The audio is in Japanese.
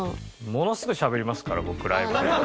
ものすごいしゃべりますから僕ライブで。